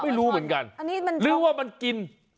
ไม่รู้เหมือนกันหรือว่ามันกิน